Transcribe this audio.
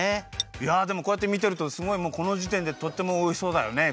いやでもこうやってみてるとすごいもうこのじてんでとってもおいしそうだよね。